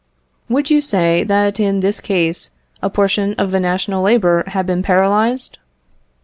Would you say that in this case a portion of the national labour had been paralyzed?